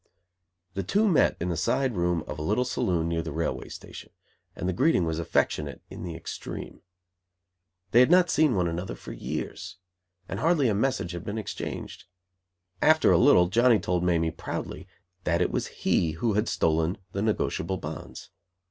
The two met in the side room of a little saloon near the railway station; and the greeting was affectionate in the extreme. They had not seen one another for years! And hardly a message had been exchanged. After a little Johnny told Mamie, proudly, that it was he who had stolen the negotiable bonds.